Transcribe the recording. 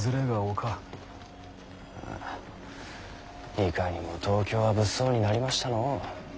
いかにも東京は物騒になりましたのう。